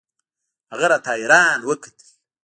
هغه راته حيران وکتل.